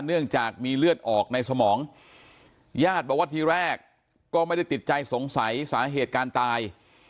เนื่องจากมีเลือดออกในสมองญาติบอกว่าทีแรกก็ไม่ได้ติดใจสงสัยสาเหตุการตาย